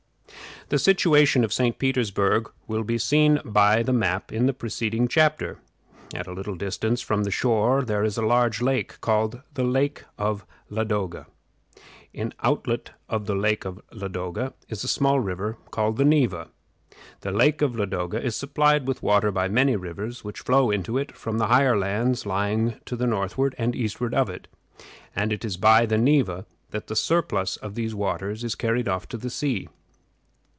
The situation of St. Petersburg will be seen by the map in the preceding chapter. At a little distance from the shore is a large lake, called the Lake of Ladoga. The outlet of the Lake of Ladoga is a small river called the Neva. The Lake of Ladoga is supplied with water by many rivers, which flow into it from the higher lands lying to the northward and eastward of it; and it is by the Neva that the surplus of these waters is carried off to the sea.